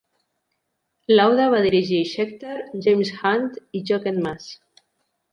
Lauda va dirigir Scheckter, James Hunt i Jochen Mass.